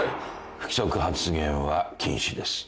不規則発言は禁止です。